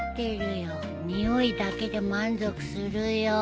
匂いだけで満足するよ。